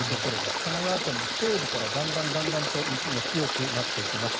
神奈川県も西部からだんだんと雪が強くなってきます。